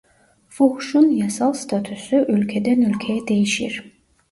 Fuhuşun yasal statüsü ülkeden ülkeye değişir.